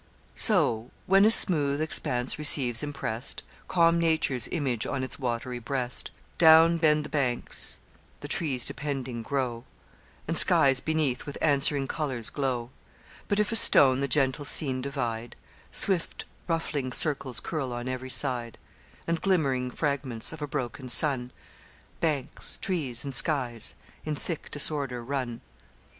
'So when a smooth expanse receives imprest Calm nature's image on its watery breast, Down bend the banks, the trees depending grow, And skies beneath with answering colours glow; But if a stone the gentle scene divide, Swift ruffling circles curl on every side, And glimmering fragments of a broken sun, Banks, trees, and skies, in thick disorder run.'